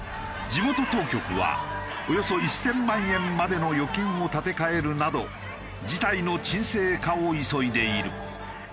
地元当局はおよそ１０００万円までの預金を立て替えるなど事態の沈静化を急いでいる。